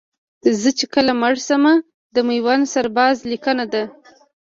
زه چې کله مړ شمه د میوند سرباز لیکنه ده